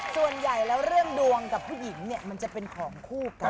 ส่วนใหญ่แล้วเรื่องดวงกับผู้หญิงเนี่ยมันจะเป็นของคู่กัน